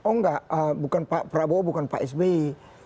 oh enggak bukan pak prabowo bukan pak sby